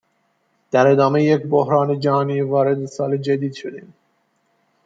در ادامهی یک بحران جهانی وارد سال جدید شدیم.